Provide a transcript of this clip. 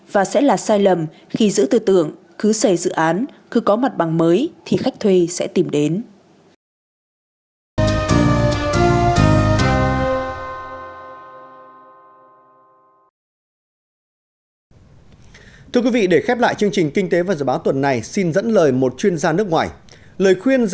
và sẽ là sai lầm khi giữ tư tưởng cứ xảy dự án cứ có mặt bằng mới thì khách thuê sẽ tìm đến